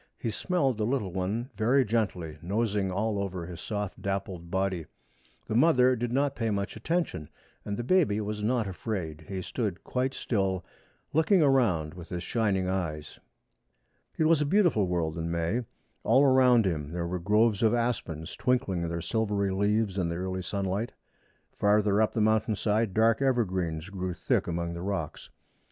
He smelled the little one very gently, nosing all over his soft dappled body. The mother did not pay much attention, and the baby was not afraid. He stood quite still, looking around with his shining eyes. It was a beautiful world in May. All around him there were groves of aspens twinkling their silvery leaves in the early sunlight. Farther up the mountain side dark evergreens grew thick among the rocks.